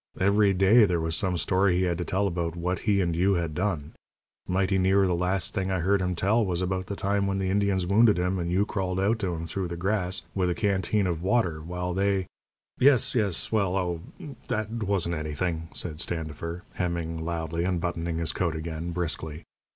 Every day there was some story he had to tell about what he and you had done. Mighty near the last thing I heard him tell was about the time when the Indians wounded him, and you crawled out to him through the grass, with a canteen of water, while they " "Yes, yes well oh, that wasn't anything," said Standifer, "hemming" loudly and buttoning his coat again, briskly.